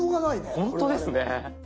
ほんとですね。